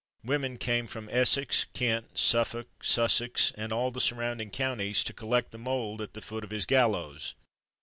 Women came from Essex, Kent, Suffolk, Sussex, and all the surrounding counties, to collect the mould at the foot of his gallows.